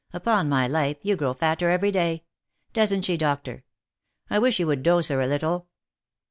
Upon my life you grow fatter every day. Doesn't she, doctor ? I wish you would dose her a little."